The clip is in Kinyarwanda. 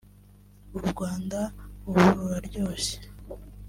u Rwanda ubu ruraryoshye